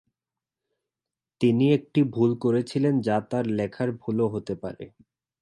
তিনি একটি ভুল করেছিলেন যা তার লেখার ভুলও হতে পারে।